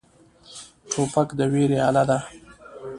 توپک د ویرې اله دی.